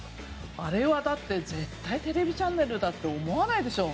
あれはだって絶対テレビチャンネルだって思わないでしょ。